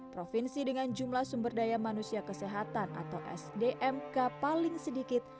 provinsi dengan jumlah sumber daya manusia kesehatan atau sdmk paling sedikit